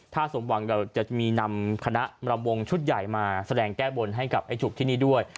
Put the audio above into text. ถ้าสมหวังเราจะมีนำคณะรำวงชุดใหญ่มาแสดงแก้บนให้กับไอ้จุกที่นี่ด้วย